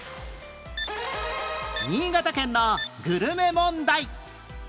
新潟県のグルメ問題